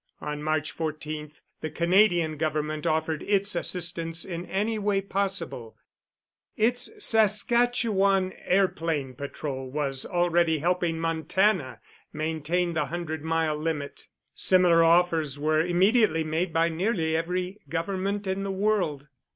On March 14 the Canadian government offered its assistance in any way possible its Saskatchewan airplane patrol was already helping Montana maintain the hundred mile limit. Similar offers were immediately made by nearly every government in the world.